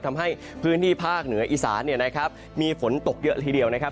ทำให้พื้นที่ภาคเหนืออีสานเนี่ยนะครับมีฝนตกเยอะทีเดียวนะครับ